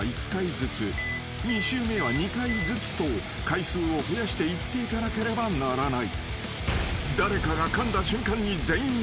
［２周目は２回ずつと回数を増やして言っていかなければならない］